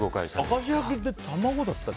明石焼きって卵だったっけ？